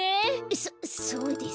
そっそうですか。